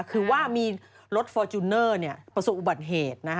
คือว่ามีรถฟอร์จูเนอร์ประสบอุบัติเหตุ